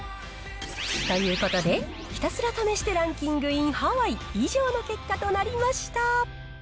ということで、ひたすら試してランキングインハワイ、以上の結果となりました。